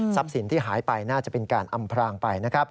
ทรัพย์สินที่หายไปน่าจะเป็นการอำพรางไป